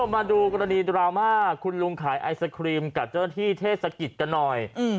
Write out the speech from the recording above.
มาดูกรณีดราม่าคุณลุงขายไอศครีมกับเจ้าหน้าที่เทศกิจกันหน่อย